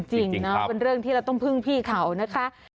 จริงนะเป็นเรื่องที่เราต้องพึ่งพี่เขานะคะ